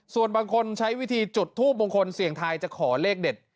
ส่วนบางคนใช้วิธีจุดทูปมงคลเสียงทายจะขอเลขเด็ด